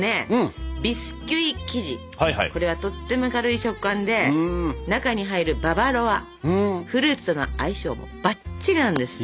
これはとっても軽い食感で中に入るババロアフルーツとの相性もバッチリなんです！